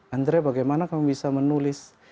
andre bagaimana kamu bisa menulis